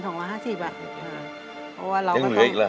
ต้องเหลืออีกแล้ว